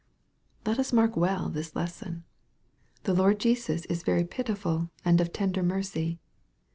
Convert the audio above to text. Let us mark well this lesson. The Lord Jesus is very pitiful and of tender mercy.